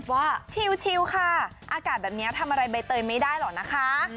ว่าชิลค่ะอากาศแบบนี้ทำอะไรใบเตยไม่ได้หรอกนะคะ